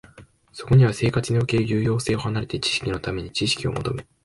そこには生活における有用性を離れて、知識のために知識を求め、